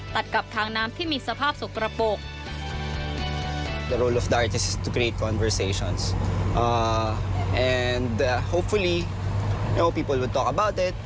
ตัดกับทางน้ำที่มีสภาพสกระปก